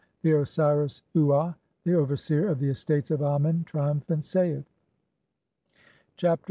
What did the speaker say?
1 [The Osiris Uaa, the overseer of the estates of Amen, triumphant, saith :—] Chapter CLXXXV.